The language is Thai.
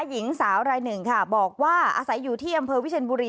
หญิงสาวรายหนึ่งค่ะบอกว่าอาศัยอยู่ที่อำเภอวิเชียนบุรี